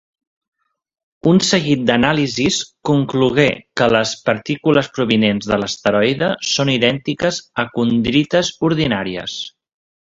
Un seguit d'anàlisis conclogué que les partícules provinents de l'asteroide són idèntiques a condrites ordinàries.